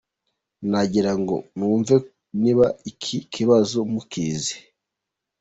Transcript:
Nagira ngo numve niba iki kibazo mukizi.